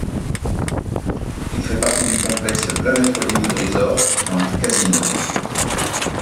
Il fait partie du complexe Planet Hollywood Resort and Casino.